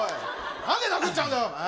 なんで殴っちゃうんだよ。